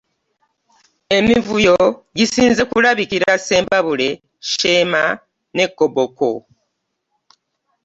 Emivuyo gisinze kulabikira Ssembabule, Sheema ne Koboko.